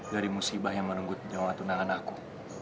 dari musibah yang menunggu penjauhan tunangan aku